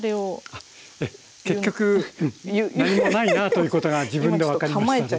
あええ結局うん何もないなということが自分で分かりましたので。